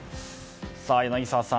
柳澤さん。